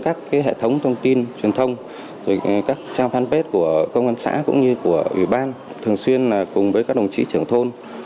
các hệ thống thông tin truyền thông các trang fanpage của công an xã cũng như của ủy ban thường xuyên cùng với các đồng chí trưởng thôn